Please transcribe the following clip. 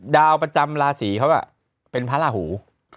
ดาวประจำราศีเขาเป็นพระราหู